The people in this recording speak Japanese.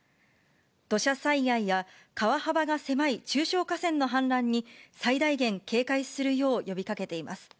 土砂災害や、川幅が狭い中小河川の氾濫に最大限警戒するよう呼びかけています。